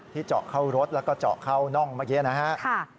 เจาะเข้ารถแล้วก็เจาะเข้าน่องเมื่อกี้นะครับ